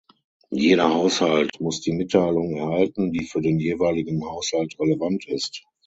Jeder Haushalt muss die Mitteilung erhalten, die für den jeweiligen Haushalt relevant ist.